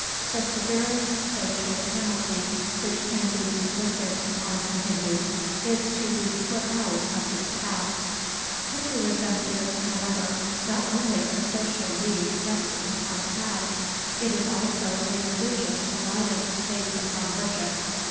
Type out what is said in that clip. The severest social penalty which can be inflicted upon a Hindu is to be put out of his caste. Hinduism is, however, not only a social league resting upon caste it is also a religious alliance based upon worship.